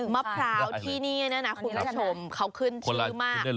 มะพร้าวที่นี่เนี่ยนะคุณผู้ชมเขาขึ้นชื่อมาก